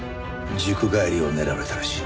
塾帰りを狙われたらしい。